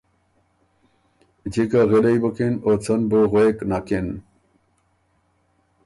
جِکه غِلئ بُکِن او څه ن بُو غوېک نکِن۔